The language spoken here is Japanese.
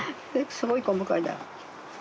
すごい細かいな。